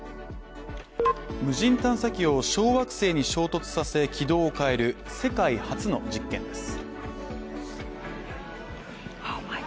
無人探査機を小惑星に衝突させ軌道を変える世界初の実験です。